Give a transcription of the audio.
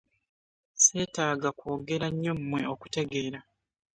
Sseetaaga kwogera nnyo mmwe okutegeera.